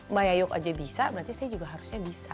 mbak yayuk aja bisa berarti saya juga harusnya bisa